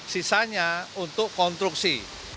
sisanya untuk konstruksi